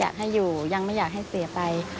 อยากให้อยู่ยังไม่อยากให้เสียไป